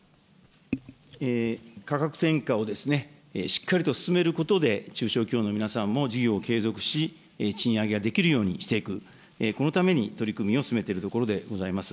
価格転嫁をしっかりと進めることで、中小企業の皆さんも事業を継続し、賃上げができるようにしていく、このために取り組みを進めているところでございます。